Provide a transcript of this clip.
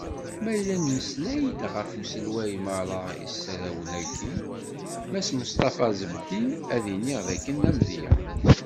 Ma yella nemmeslay-d ɣef uselway n merra isarrawen-agi, Mass Musṭafa Zebdi, ad d-iniɣ d akken d amedya.